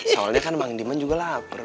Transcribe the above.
soalnya kan bang diman juga lapar